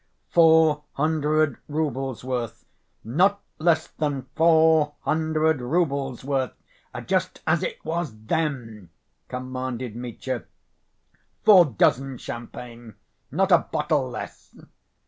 "Four hundred roubles' worth, not less than four hundred roubles' worth, just as it was then," commanded Mitya. "Four dozen champagne, not a bottle less."